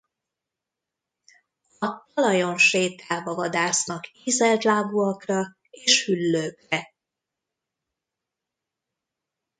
A talajon sétálva vadásznak ízeltlábúakra és hüllőkre.